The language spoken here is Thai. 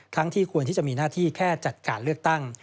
ที่ควรที่จะมีหน้าที่แค่จัดการเลือกตั้ง